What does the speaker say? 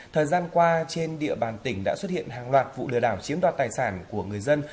thời gian qua trên địa bàn tỉnh đã xuất hiện hàng loạt vụ lừa đảo chiếm đoạt tài sản của người dân